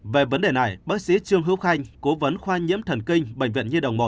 về vấn đề này bác sĩ trương hữu khanh cố vấn khoa nhiễm thần kinh bệnh viện nhi đồng một